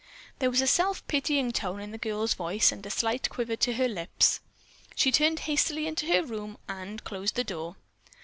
There was a self pitying tone in the girl's voice and a slight quiver to her lips. She turned hastily into her room and closed the door.